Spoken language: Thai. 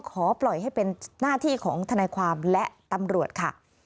ขอให้ปล่อยให้เป็นหน้าที่ของทนายความและตำรวจค่ะ